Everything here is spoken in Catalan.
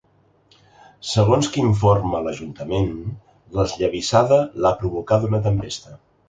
Segons que informa l’ajuntament, l’esllavissada l’ha provocada una tempesta.